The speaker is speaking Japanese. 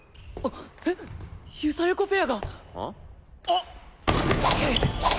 あっ！